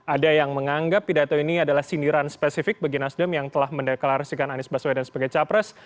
ada yang menganggap pidato ini adalah sindiran spesifik bagi nasdem yang telah mendeklarasikan anies baswedan sebagai capres